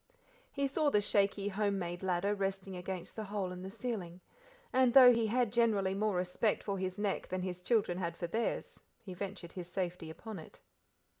He saw the shaky, home made ladder, resting against the hole in the ceiling, and though he had generally more respect for his neck than his children had for theirs, he ventured his safety upon it.